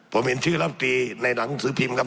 ผมเห็นชื่อลำตีในหนังสือพิมพ์ครับ